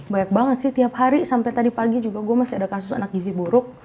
banyak banget sih tiap hari sampai tadi pagi juga gue masih ada kasus anak gizi buruk